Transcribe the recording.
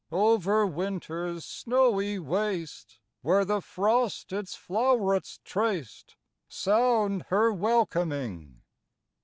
Over winter's snowy waste, Where the frost its flowerets traced, Sound her welcoming.